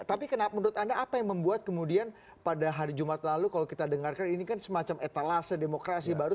tapi menurut anda apa yang membuat kemudian pada hari jumat lalu kalau kita dengarkan ini kan semacam etalase demokrasi baru